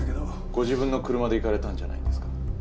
ご自分の車で行かれたんじゃないんですか？